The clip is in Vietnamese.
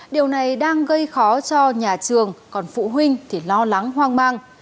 điều này đang gây khó cho nhà trường còn phụ huynh thì lo lắng hoang mang